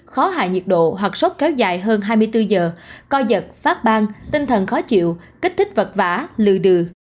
khó hạ nhiệt độ hoặc sốt kéo dài hơn hai mươi bốn giờ coi giật phát ban tinh thần khó chịu kích thích vật vả lừa đừa